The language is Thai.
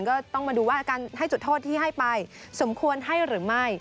ก็ต้องมาดูว่าการให้จุดโทษที่ให้ไปสมควรให้หรือไม่